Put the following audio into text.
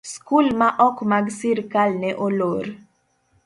skul ma ok mag sirkal ne olor.